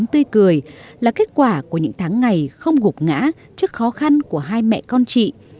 tươi cười là kết quả của những tháng ngày không gục ngã trước khó khăn của hai mẹ con chị